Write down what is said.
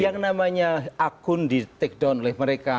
yang namanya akun di take down oleh mereka